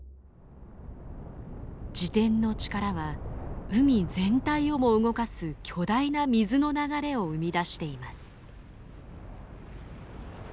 自転の力は海全体をも動かす巨大な水の流れを生み出しています。